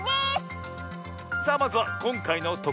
さあまずはこんかいのと